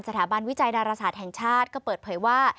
สถาบันวิจัยดาราศาสตร์แห่งชาติก็เปิดเผยว่า